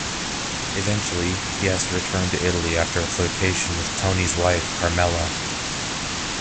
Eventually, he has to return to Italy after a flirtation with Tony's wife Carmela.